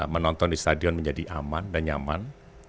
menonton di stadion menjadi aman dan nyaman